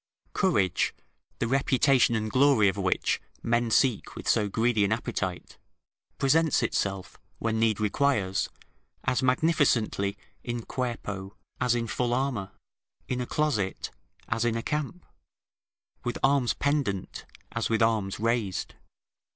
Courage, the reputation and glory of which men seek with so greedy an appetite, presents itself, when need requires, as magnificently in cuerpo, as in full armour; in a closet, as in a camp; with arms pendant, as with arms raised.